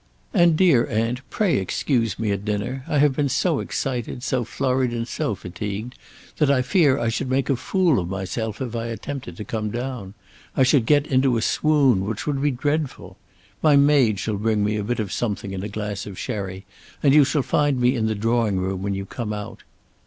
"And, dear aunt, pray excuse me at dinner. I have been so excited, so flurried, and so fatigued, that I fear I should make a fool of myself if I attempted to come down. I should get into a swoon, which would be dreadful. My maid shall bring me a bit of something and a glass of sherry, and you shall find me in the drawing room when you come out."